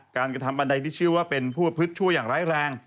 การกระทำบันไดที่ชื่อว่าเป็นผู้พฤตชั่วยังร้ายแรง